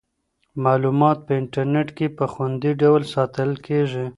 معلومات په انټرنیټ کې په خوندي ډول ساتل کیږي.